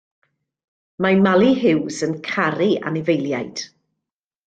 Mae Mali Huws yn caru anifeiliaid.